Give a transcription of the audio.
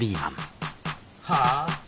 はあ？